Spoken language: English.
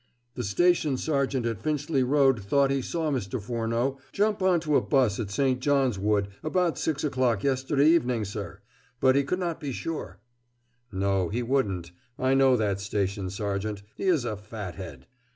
"The station sergeant at Finchley Road thought he saw Mr. Furneaux jump on to a 'bus at St. John's Wood about six o'clock yesterday evening, sir; but he could not be sure." "No, he wouldn't. I know that station sergeant. He is a fat head....